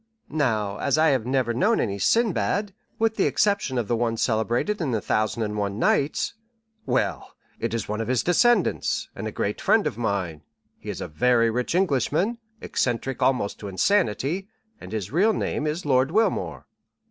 Now, as I have never known any Sinbad, with the exception of the one celebrated in the Thousand and One Nights——" "Well, it is one of his descendants, and a great friend of mine; he is a very rich Englishman, eccentric almost to insanity, and his real name is Lord Wilmore."